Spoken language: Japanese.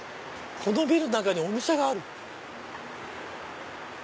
このビルの中にお店がある！